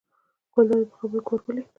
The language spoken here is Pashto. ګلداد یې په خبرو کې ور ولوېد.